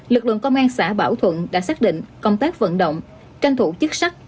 lực lượng công an xã bảo thuận đã xác định công tác vận động tranh thủ chức sắc